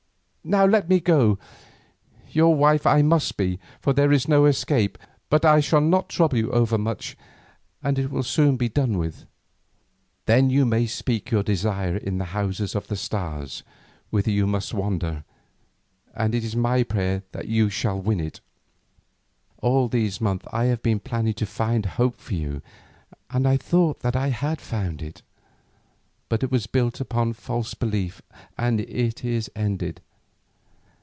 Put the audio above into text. Now let me go. Your wife I must be, for there is no escape, but I shall not trouble you over much, and it will soon be done with. Then you may seek your desire in the Houses of the Stars whither you must wander, and it is my prayer that you shall win it. All these months I have been planning to find hope for you, and I thought that I had found it. But it was built upon a false belief, and it is ended.